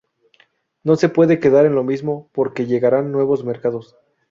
No se puede quedar en lo mismo porque llegaran nuevos mercados.